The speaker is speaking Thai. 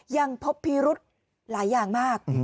ยังพบพิรุธหลายอย่างมาก